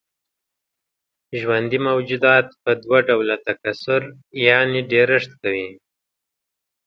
ژوندي موجودات په دوه ډوله تکثر يعنې ډېرښت کوي.